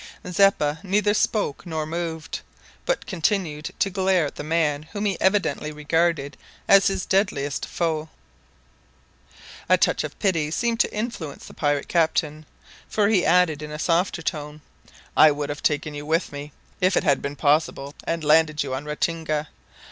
Zeppa neither spoke nor moved, but continued to glare at the man whom he evidently regarded as his deadliest foe. A touch of pity seemed to influence the pirate captain, for he added in a softer tone, "I would have taken you with me, if it had been possible, and landed you on Ratinga.